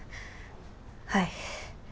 はい。